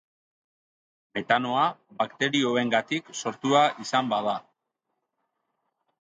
Metanoa bakterioengatik sortua izan bada.